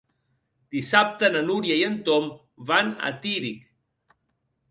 Dissabte na Núria i en Tom van a Tírig.